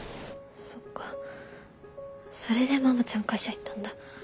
そっかそれでマモちゃん会社行ったんだ。